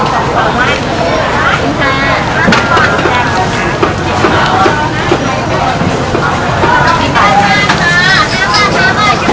อ่าจำเป็นไหมว่าสมมุติพยานคนนี้นั่งซื้อของอยู่จำเป็นไหมแม่ค้าหันหน้ามองใครน่าเห็นมากกว่ากัน